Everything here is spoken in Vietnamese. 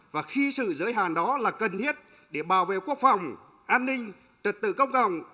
và khi sự giới hàn đó là cần thiết để bảo vệ quốc phòng an ninh trật tự công cộng